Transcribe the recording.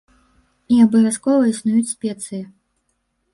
І абавязкова існуюць спецыі.